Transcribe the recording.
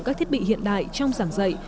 các thiết bị hiện đại trong giảng dạy